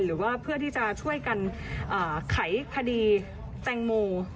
หรือว่าเพื่อที่จะช่วยกันไขคดีแตงโม